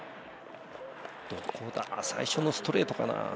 最初のストレートかな。